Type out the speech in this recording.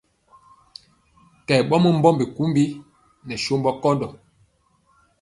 Kɛ ɓɔmɔ mbɔmbi kumbi nɛ sombɔ kɔndɔ.